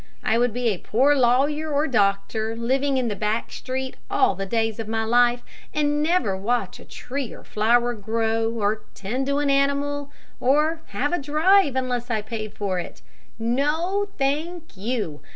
I would be a poor lawyer or doctor, living in a back street all the days of my life, and never watch a tree or flower grow, or tend an animal, or have a drive unless I paid for it. No, thank you.